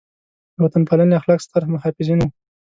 د وطن پالنې اخلاق ستر محافظین وو.